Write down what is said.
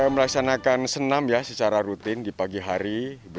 melaksanakan senam secara rutin di pagi hari